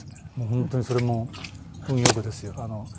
本当にそれも運良くですよ。